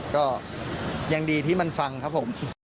ก็ยังดีที่มันฟังครับผม